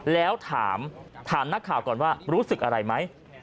แล้วถามนักข่าวก่อนว่ารู้สึกอะไรไหม